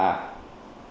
chúng ta có thể